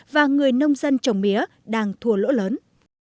và người nông dân trồng mía đang thua lỗ lớn